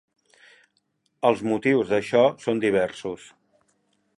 Els motius d'això són diversos.